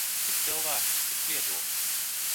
Cik cilvēku tik viedokļu.